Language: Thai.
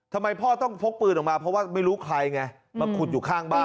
ทำไมพ่อต้องพกปืนออกมาเพราะว่าไม่รู้ใครไงมาขุดอยู่ข้างบ้าน